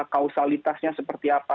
kausalitasnya seperti apa